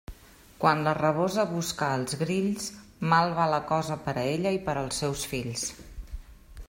Quan la rabosa busca els grills, mal va la cosa per a ella i per als seus fills.